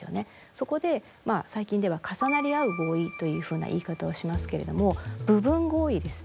そこで最近では重なり合う合意というふうな言い方をしますけれども部分合意ですね。